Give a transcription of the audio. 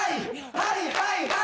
はいはいはい！